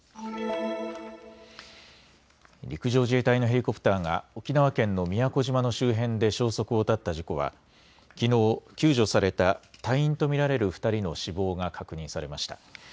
陸上自衛隊のヘリコプターが沖縄県の宮古島の周辺で消息を絶った事故はきのう救助された隊員と見られる２人の死亡が確認されました。